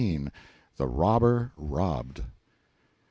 The Robber Robbed.